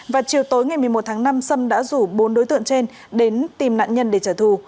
và chiều tối ngày một mươi một tháng năm sâm đã rủ bốn đối tượng trên đến tìm nạn nhân để trả thù